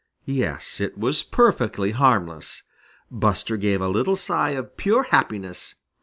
Yes, it was perfectly harmless. Buster gave a little sigh of pure happiness.